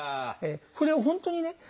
これは本当にね